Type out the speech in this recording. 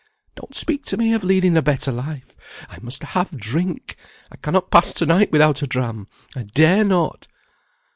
Don't speak to me of leading a better life I must have drink. I cannot pass to night without a dram; I dare not."